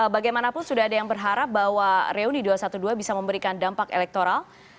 bagaimanapun sudah ada yang berharap bahwa reuni dua ratus dua belas bisa memberikan dampak elektoral